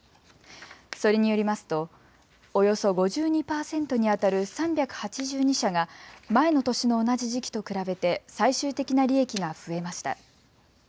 それによりますと、およそ５２％にあたる３８２社が前の年の同じ時期と比べて最終的な利益が増えました。